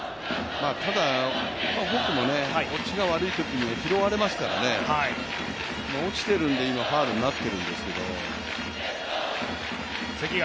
ただ、フォークも落ちが悪いときは拾われますから、落ちているんで、今、ファウルになっているんですけど。